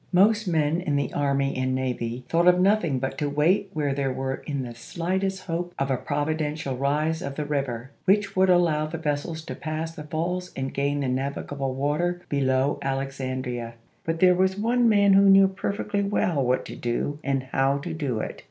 Most men in the army and navy thought of nothing but to wait where they were in the slender hope of a providential rise of the river, which would allow the vessels to pass the falls and gain the navigable water below Alex andria. But there was one man who knew perfectly well what to do and how to do it.